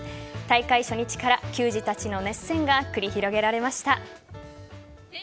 大会初日から球児たちの熱戦が繰り広げられました。